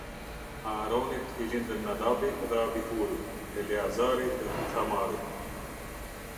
Aaronit i lindën Nadabi dhe Abihuri, Eleazari dhe Ithamari.